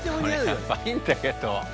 これやばいんだけど。